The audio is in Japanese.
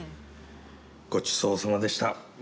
ごちそうさまでした。